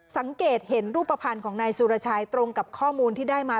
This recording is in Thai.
สังเกตเห็นรูปภัณฑ์ของนายสุรชัยตรงกับข้อมูลที่ได้มา